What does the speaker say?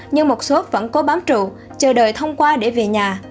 nhưng một số vẫn cố bám trụ chờ đợi thông qua để về nhà